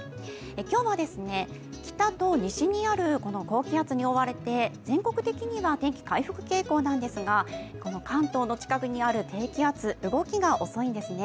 今日は北と西にある高気圧に覆われて全国的には天気は回復傾向なんですが、関東の近くにある低気圧、動きが遅いんですね。